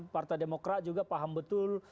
partai demokrat juga paham betul